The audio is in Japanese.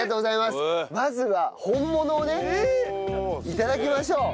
まずは本物をね頂きましょう。